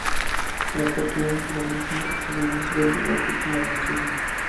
Las capillas laterales son posteriores, del gótico más sencillo.